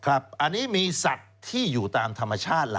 อันนี้มีสัตว์ที่อยู่ตามธรรมชาติล่ะ